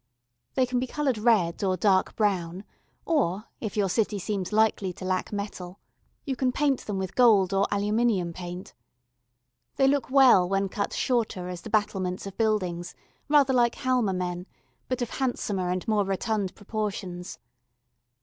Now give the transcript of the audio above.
They can be coloured red or dark brown, or, if your city seems likely to lack metal, you can paint them with gold or aluminium paint. They look well when cut shorter as the battlements of buildings, rather like halma men, but of handsomer and more rotund proportions.